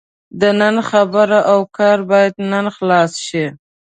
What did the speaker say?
د نن خبره او کار باید نن خلاص شي.